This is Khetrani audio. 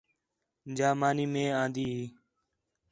جا مانی مئے آندی ہے